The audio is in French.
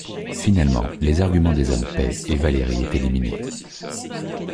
Finalement, les arguments des hommes paient et Valérie est éliminée.